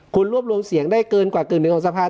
คุณรวบลวงเสียงได้เกินกว่าเกินเดียวของสภาพ